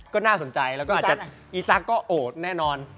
ก็น่าสนใจแล้วก็อาจจะอีซักก็โอดแน่นอน